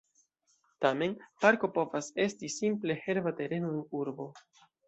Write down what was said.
Tamen, parko povas esti simple herba tereno en urbo.